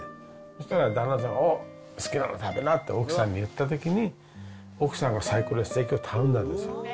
そしたら、旦那さん、好きなの食べなって奥さんに言ったときに、奥さんがサイコロステーキを頼んだんですよ。